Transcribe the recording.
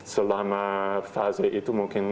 selama fase itu mungkin